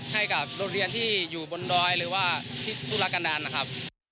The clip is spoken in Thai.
ให้กับโรงเรียนที่อยู่บนดอยหรือว่าที่ธุรกันดาลนะครับ